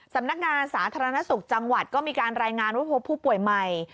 สำนักงานสาธารณสุขจังหวัดก็มีการรายงานว่าพบผู้ป่วยใหม่